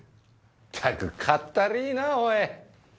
ったくかったりいなぁおい。